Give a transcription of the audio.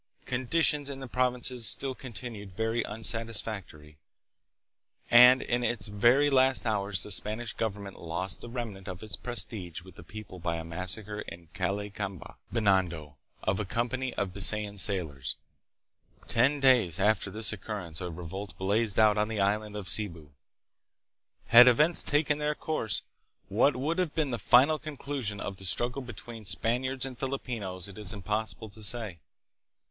Conditions in the prov inces still continued very unsatisfactory, and in its very last hours the Spanish government lost the remnant of its prestige with the people by a massacre in Calle Camba, Binondo, of a company of Bisayan sailors. Ten days after this occurrence a revolt blazed out on the island of Cebu. Had events taken their course, what would have been the final conclusion of the struggle between Span iards and Filipinos it is impossible to say.